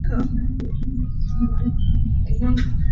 奥尔比厄河畔吕克。